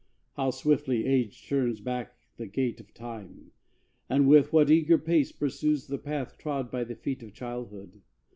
How swiftly Age turns back the gate of Time, And with what eager pace pursues the path Trod by the feet of Childhood!